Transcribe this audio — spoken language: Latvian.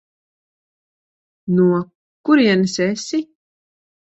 No kurienes esi?